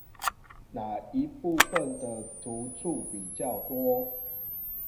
哪一部分的突觸比較多？